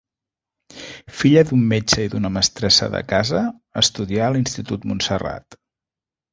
Filla d'un metge i d'una mestressa de casa, estudià a l'Institut Montserrat.